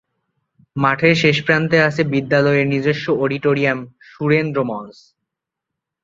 মাঠের শেষপ্রান্তে আছে বিদ্যালয়ের নিজস্ব অডিটোরিয়াম, সুরেন্দ্র মঞ্চ।